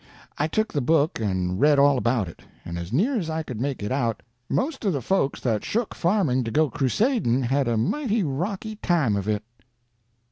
I took the book and read all about it, and as near as I could make it out, most of the folks that shook farming to go crusading had a mighty rocky time of it.